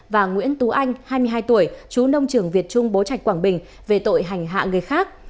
và nguyễn tú anh hai mươi hai tuổi chú nông trường việt trung bố trạch quảng bình về tội hành hạ người khác